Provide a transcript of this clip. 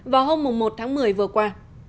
vào hôm một tháng một mươi vừa qua